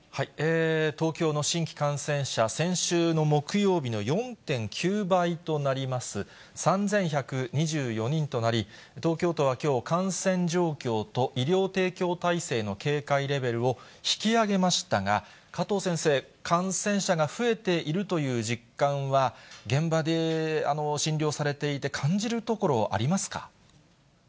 東京の新規感染者、先週の木曜日の４．９倍となります、３１２４人となり、東京都はきょう、感染状況と医療提供体制の警戒レベルを引き上げましたが、加藤先生、感染者が増えているという実感は現場で診療されていて、感じるところ、ありますか？